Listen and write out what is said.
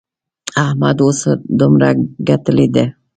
احمد اوس دومره ګټلې دي.